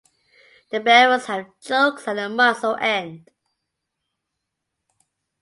The barrels have chokes at the muzzle end.